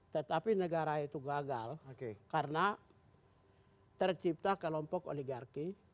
tetapi negara itu gagal karena tercipta kelompok oligarki